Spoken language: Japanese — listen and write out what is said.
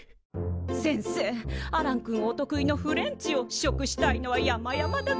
先生アランくんお得意のフレンチを試食したいのはやまやまだけど。